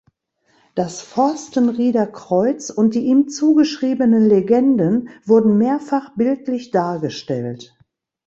Das Forstenrieder Kreuz und die ihm zugeschriebenen Legenden wurden mehrfach bildlich dargestellt.